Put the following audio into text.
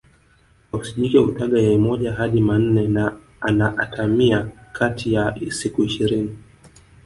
Tausi jike hutaga yai moja hadi manne na ana atamia kati ya siku ishirini